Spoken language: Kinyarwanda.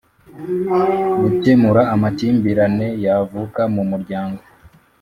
gukemura amakimbirane yavuka mu Muryango